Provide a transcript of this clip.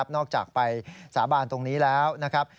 นอกจากไปสาบานตรงนี้แล้วนะครับ